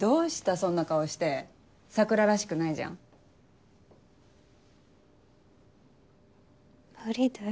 そんな顔して桜らしくないじゃん無理だよ